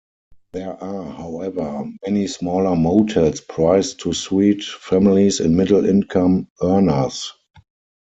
There are however, many smaller motels priced to suit families and middle income earners.